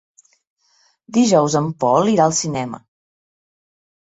Dijous en Pol irà al cinema.